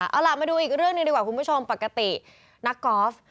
เอาล่ะมาดูอีกเรื่องหนึ่งดีกว่าคุณผู้ชมปกตินักกอล์ฟ